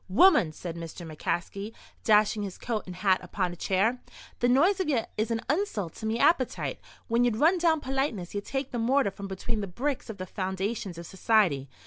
"Woman!" said Mr. McCaskey, dashing his coat and hat upon a chair, "the noise of ye is an insult to me appetite. When ye run down politeness ye take the mortar from between the bricks of the foundations of society.